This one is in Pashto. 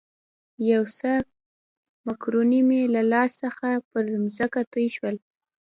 یو څه مکروني مې له لاس څخه پر مځکه توی شول.